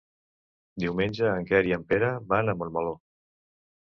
Diumenge en Quer i en Pere van a Montmeló.